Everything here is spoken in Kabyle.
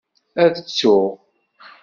Ad tsuɣ.